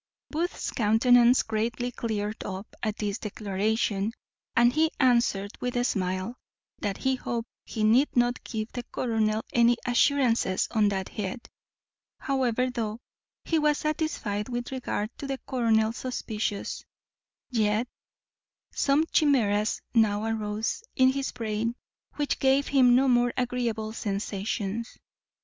Booth's countenance greatly cleared up at this declaration, and he answered with a smile, that he hoped he need not give the colonel any assurances on that head. However, though he was satisfied with regard to the colonel's suspicions, yet some chimeras now arose in his brain which gave him no very agreeable sensations.